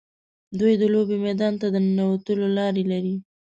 دوی د لوبې میدان ته د ننوتلو لارې لري.